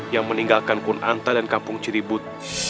yang meninggalkan kunanta dan kampung ciribut